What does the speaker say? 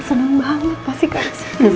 seneng banget pasti kan